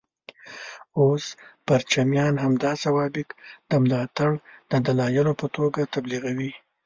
اوس پرچمیان همدا سوابق د ملاتړ دلایلو په توګه تبلیغوي.